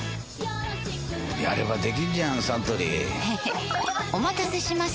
やればできんじゃんサントリーへへっお待たせしました！